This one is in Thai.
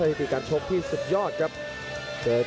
จากรายการรายการ